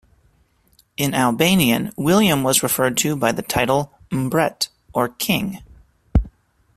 In Albanian, William was referred to by the title "mbret," or king.